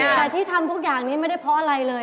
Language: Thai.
แต่ที่ทำทุกอย่างนี้ไม่ได้เพราะอะไรเลย